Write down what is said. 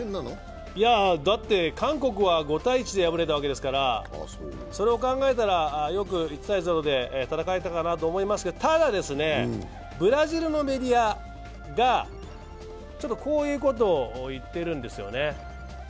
だって韓国は５−１で敗れたわけですからそれを考えたらよく１−０で戦えたかなと思いますけどただですね、ブラジルのメディアがこういうことを言っているんですね。